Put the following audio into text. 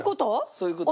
そういう事？